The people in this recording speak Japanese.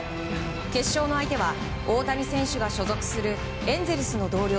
決勝の相手は大谷選手が所属するエンゼルスの同僚